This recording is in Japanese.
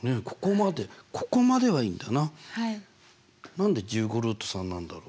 何で１５ルート３なんだろう？